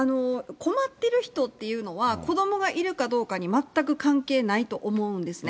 困ってる方というのは、子どもがいるかどうかに全く関係ないと思うんですね。